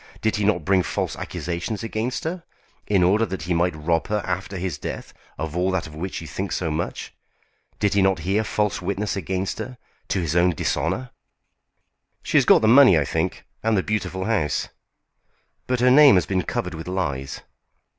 Did he not bring false accusations against her, in order that he might rob her after his death of all that of which you think so much? Did he not bear false witness against her, to his own dishonour?" [Illustration: "Did he not bear false witness against her?"] "She has got the money, I think, and the beautiful house." "But her name has been covered with lies."